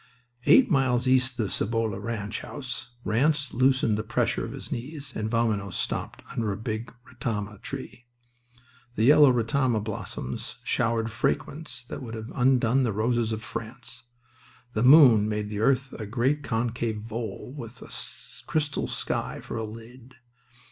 Eight miles east of the Cibolo ranch house Ranse loosened the pressure of his knees, and Vaminos stopped under a big ratama tree. The yellow ratama blossoms showered fragrance that would have undone the roses of France. The moon made the earth a great concave bowl with a crystal sky for a lid.